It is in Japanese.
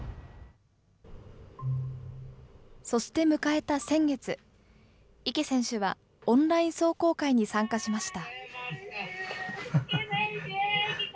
そして迎えた先月、池選手は、オンライン壮行会に参加しました。